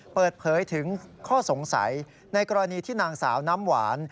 เปิดเผยถึงข้อสงสัยในกรณีที่นางสาวน้ำหวาน